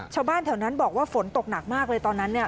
ชาวบ้านแถวนั้นบอกว่าฝนตกหนักมากเลยตอนนั้นเนี่ย